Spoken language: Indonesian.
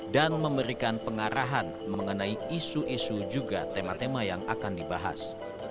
dan memberikan pengarahan mengenai isu isu juga tema tema yang akan dibahas